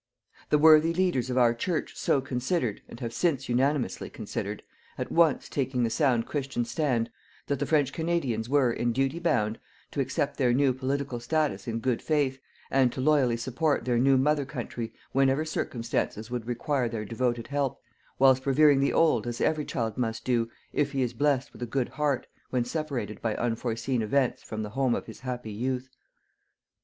The worthy leaders of our Church so considered and have since unanimously considered at once taking the sound Christian stand that the French Canadians were, in duty bound, to accept their new political status in good faith, and to loyally support their new mother country whenever circumstances would require their devoted help, whilst revering the old as every child must do, if he is blessed with a good heart, when separated by unforeseen events from the home of his happy youth.